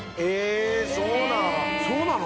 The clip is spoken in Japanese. そうなの？